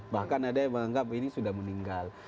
bahkan ada yang menganggap ini sudah meninggal